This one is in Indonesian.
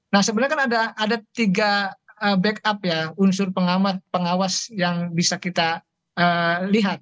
nah sebenarnya kan ada tiga backup ya unsur pengawas yang bisa kita lihat